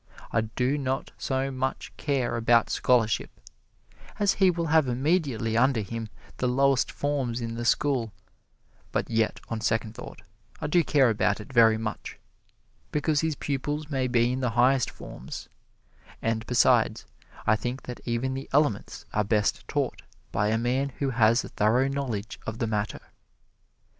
I do not so much care about scholarship, as he will have immediately under him the lowest forms in the school, but yet, on second thought, I do care about it very much, because his pupils may be in the highest forms; and besides, I think that even the elements are best taught by a man who has a thorough knowledge of the matter.